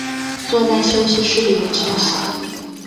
坐在休息室里面休息